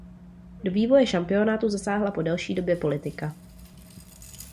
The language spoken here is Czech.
Do vývoje šampionátu zasáhla po delší době politika.